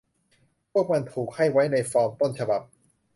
พวกมันถูกให้ไว้ในฟอร์มต้นฉบับ